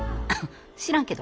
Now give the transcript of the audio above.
知らんけど。